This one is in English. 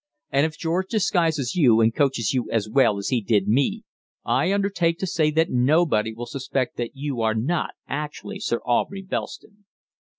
And if George disguises you and coaches you as well as he did me, I undertake to say that nobody will suspect that you are not actually Sir Aubrey Belston."